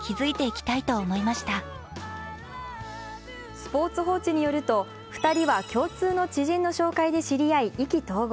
「スポーツ報知」によると２人は共通の知人の紹介で知り合い意気投合。